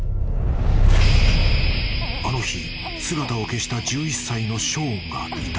［あの日姿を消した１１歳のショーンがいた］